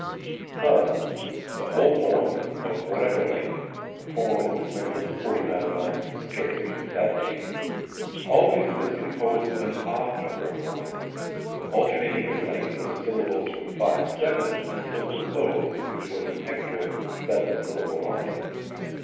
Thus the whole poem, of whatever length (a poem of as many as forty nine lines was scarce, even at that day) always was composed of an odd number of lines, alternating in length of syllables from five to seven, until the close, which was an extra seven syllable line.